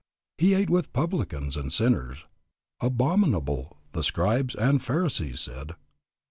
He ate with publicans and sinners. Abominable, the Scribes and Pharisees said.